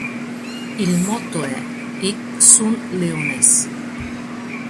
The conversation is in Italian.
Il motto è "Hic Sunt Leones".